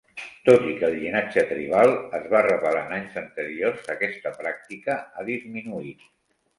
Tot i que el llinatge tribal es va revelar en anys anteriors, aquesta pràctica ha disminuït.